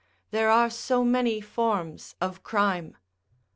["There are so many forms of crime."